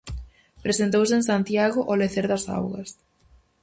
Presentouse en Santiago "O lecer das augas".